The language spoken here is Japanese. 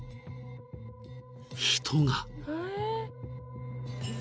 ［人が］